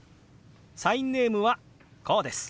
サインネームはこうです。